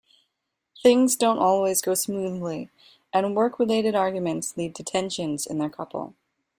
Things don't always go smoothly and work-related arguments lead to tensions in their couple.